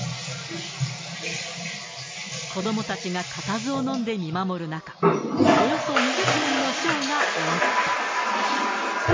子どもたちが固唾をのんで見守る中、およそ２０分のショーが終わった。